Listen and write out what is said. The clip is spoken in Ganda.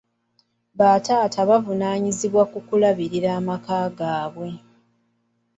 Bataata bavunaanyizibwa ku kulabirira amaka gaabwe.